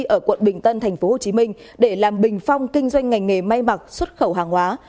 ở quận bình tân tp hcm để làm bình phong kinh doanh ngành nghề may mặc xuất khẩu hàng hóa